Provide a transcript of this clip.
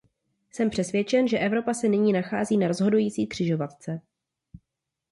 Jsem přesvědčen, že Evropa se nyní nachází na rozhodující křižovatce.